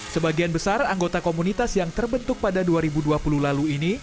sebagian besar anggota komunitas yang terbentuk pada dua ribu dua puluh lalu ini